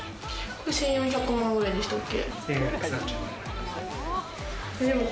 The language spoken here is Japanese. １４００万円ぐらいでしたっけ？